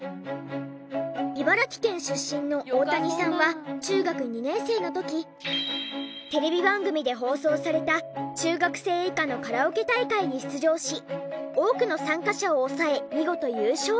茨城県出身の大谷さんは中学２年生の時テレビ番組で放送された中学生以下のカラオケ大会に出場し多くの参加者を抑え見事優勝！